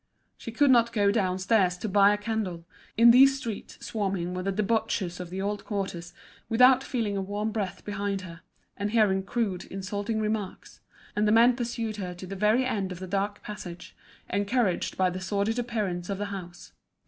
She could not go downstairs to buy a candle, in these streets swarming with the debauchees of the old quarters, without feeling a warm breath behind her, and hearing crude, insulting remarks; and the men pursued her to the very end of the dark passage, encouraged by the sordid appearance of the house.